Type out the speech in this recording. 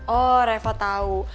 oh reva tahu